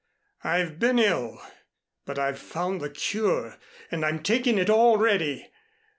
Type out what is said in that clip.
I've been ill, but I've found the cure and I'm taking it already.